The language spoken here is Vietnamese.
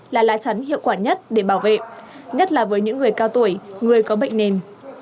là lá chắn hiệu quả nhất để bảo vệ nhất là với những người cao tuổi người có bệnh nền